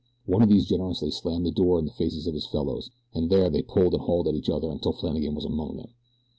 One of these generously slammed the door in the faces of his fellows, and there they pulled and hauled at each other until Flannagan was among them.